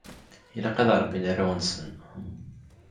Ilaq ad rebbin arraw-nsen.